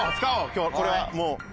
今日これはもう。